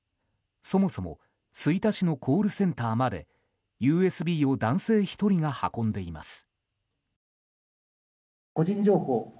そもそも吹田市のコールセンターまでＵＳＢを男性１人が運んでいます。